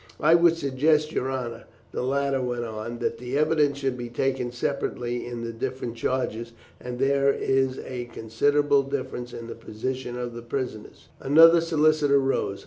"I would suggest, your honour," the latter went on, "that the evidence should be taken separately in the different charges, as there is a considerable difference in the position of prisoners." Another solicitor rose.